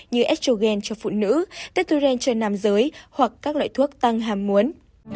như estrogen cho phụ nữ tetrogen cho nam giới hoặc các loại thuốc tăng ham muốn